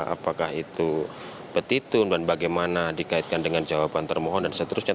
apakah itu petitun dan bagaimana dikaitkan dengan jawaban termohon dan seterusnya